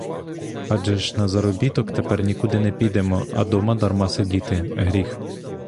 Адже ж на заробіток тепер нікуди не підемо, а дома дарма сидіти — гріх.